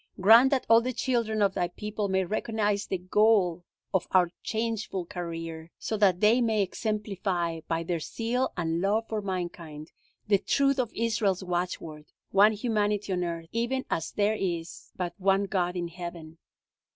Grant that all the children of Thy people may recognize the goal of our changeful career, so that they may exemplify, by their zeal and love for mankind, the truth of Israel's watchword: One humanity on earth, even as there is but one God in heaven.